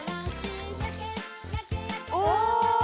お！